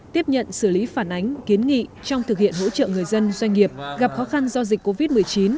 tiếp nhận xử lý phản ánh kiến nghị trong thực hiện hỗ trợ người dân doanh nghiệp gặp khó khăn do dịch covid một mươi chín